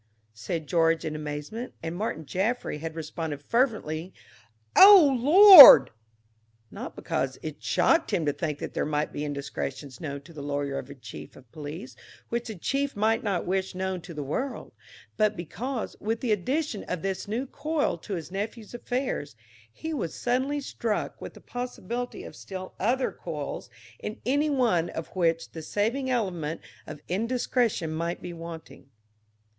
said George in amazement, and Martin Jaffry had responded fervently with "O Lord!" Not because it shocked him to think that there might be indiscretions known to the lawyer of a chief of police which the chief might not wish known to the world, but because, with the addition of this new coil to his nephew's affairs, he was suddenly struck with the possibility of still other coils in any one of which the saving element of indiscretion might be wanting.